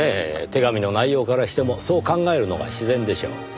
手紙の内容からしてもそう考えるのが自然でしょう。